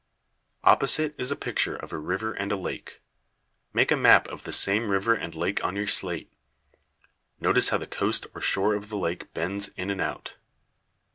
Opposite is a picture of a river and a lake. Make a map of the same river and lake on your slate. Notice how the coast or shore of the lake bends in and out.